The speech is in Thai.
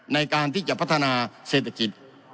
ในการที่จะพัฒนาเศรษฐกิจ